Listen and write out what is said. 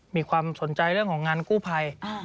มีความสนใจเรื่องของงานกู้ภัย